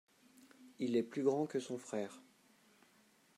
Il est plus grand que son frère.